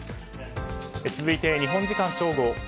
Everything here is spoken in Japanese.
続いて日本時間正午。